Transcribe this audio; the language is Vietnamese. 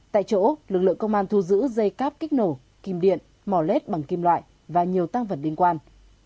tại chỗ lực lượng công an thu giữ dây cáp kích nổ kim điện mỏ lết bằng kim loại và nhiều tăng vật liên quan